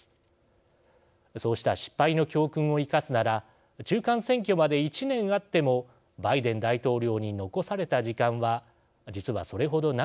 そうした失敗の教訓を生かすなら中間選挙まで１年あってもバイデン大統領に残された時間は実はそれほど長くないかもしれません。